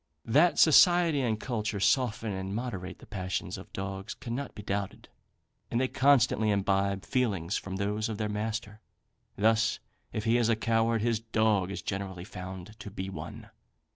That society and culture soften and moderate the passions of dogs cannot be doubted, and they constantly imbibe feelings from those of their master. Thus, if he is a coward, his dog is generally found to be one.